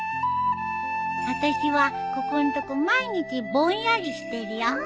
私はここんとこ毎日ぼんやりしてるよ。